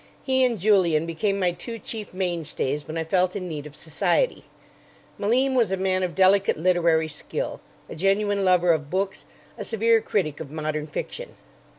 He and Julian became my two chief mainstays when I felt in need of society. Malim was a man of delicate literary skill, a genuine lover of books, a severe critic of modern fiction.